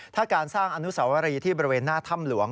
ถ้าการสร้างอนุสาวรีที่บริเวณหน้าถ้ำหลวง